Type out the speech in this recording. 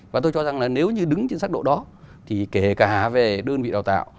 và tôi cho rằng là nếu như đứng trên sắc độ đó thì kể cả về đơn vị đào tạo